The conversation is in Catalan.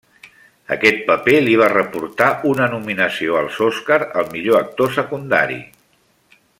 Aquest paper li va reportar una nominació als Oscar al millor actor secundari.